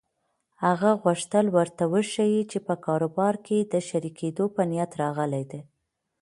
هغه غوښتل ورته وښيي چې په کاروبار کې د شريکېدو په نيت راغلی دی.